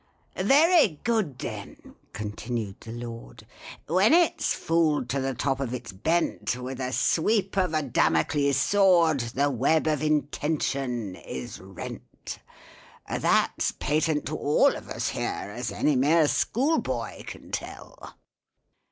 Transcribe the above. "Very good, then," continued the lord; "When it's fooled to the top of its bent, With a sweep of a Damocles sword The web of intention is rent. "That's patent to all of us here, As any mere schoolboy can tell."